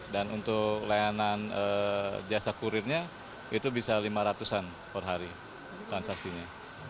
dan untuk layanan jasa kurirnya itu bisa lima ratusan per hari transaksinya